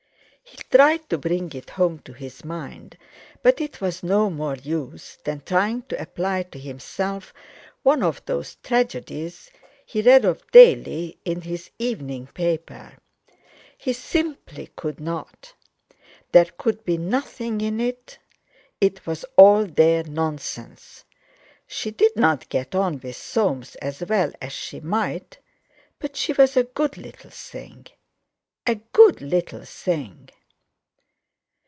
He tried to bring it home to his mind, but it was no more use than trying to apply to himself one of those tragedies he read of daily in his evening paper. He simply could not. There could be nothing in it. It was all their nonsense. She didn't get on with Soames as well as she might, but she was a good little thing—a good little thing!